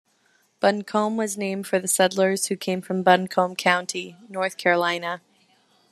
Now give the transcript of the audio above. Buncombe was named for the settlers who came from Buncombe County, North Carolina.